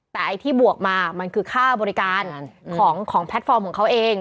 แต่ไอ้ที่บวกมามันคือค่าบริการของแพลตฟอร์มของเขาเอง